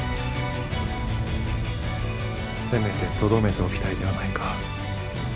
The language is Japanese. せめてとどめておきたいではないか。